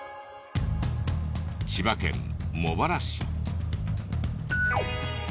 千葉県茂原市。